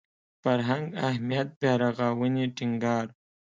فرهنګ اهمیت بیارغاونې ټینګار